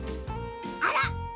あら！